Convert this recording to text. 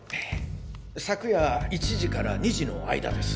昨夜１時から２時の間です。